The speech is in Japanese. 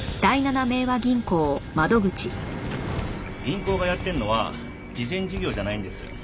銀行がやってるのは慈善事業じゃないんです。